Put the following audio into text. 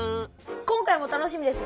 今回も楽しみです。